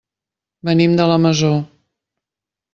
Venim de la Masó.